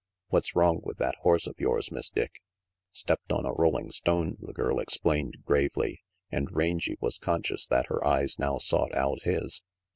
What's wrong with that horse of yours, Miss Dick?" "Stepped on a rolling stone," the girl explained gravely, and Rangy was conscious that her eyes now sought out his.